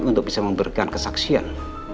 untuk bisa memberikan kesaksian